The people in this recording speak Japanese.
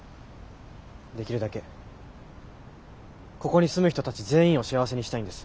できるだけここに住む人たち全員を幸せにしたいんです。